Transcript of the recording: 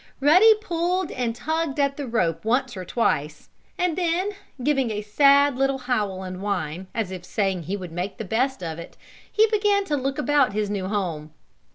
Ruddy pulled and tugged at the rope once or twice and then, giving a sad little howl and whine, as if saying he would make the best of it, he began to look about his new home.